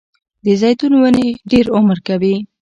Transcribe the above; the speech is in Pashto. د زیتون ونې ډیر عمر کوي